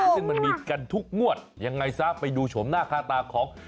ซึ่งมันมีกันทุกงวดยังไงซะไปดูโฉมหน้าค่าตาของ